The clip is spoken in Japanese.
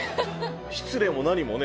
失礼も何もね